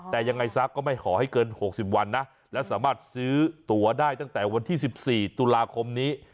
แต่ยังไงซักก็ไม่ขอให้เกิน๖๐วันนะและสามารถซื้อตัวได้ตั้งแต่วันที่๑๔ตุลาคมนี้